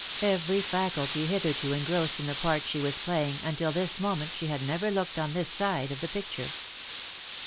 Every faculty hitherto engrossed in the part she was playing, until this moment she had never looked on this side of the picture?